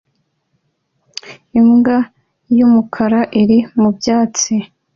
Imbwa yumukara iri mubyatsi